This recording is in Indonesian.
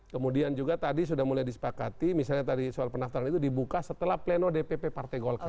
kemudian juga tadi sudah mulai disepakati misalnya tadi soal pendaftaran itu dibuka setelah pleno dpp partai golkar